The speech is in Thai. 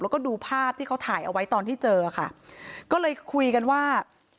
แล้วก็ดูภาพที่เขาถ่ายเอาไว้ตอนที่เจอค่ะก็เลยคุยกันว่า